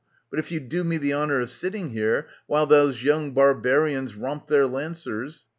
But if you do me the honour of sitting here while those young barbarians romp their Lancers?